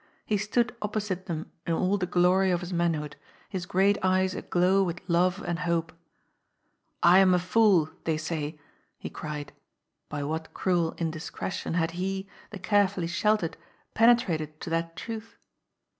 He stood opposite them in all the glory of his manhood, his great eyes aglow with love and hope. ^^ I am a fool, they say !" he cried — by what cruel indis cretion had he, the carefully sheltered, penetrated to that truth